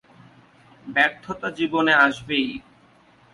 ব্যর্থতা জীবনে আসবেই।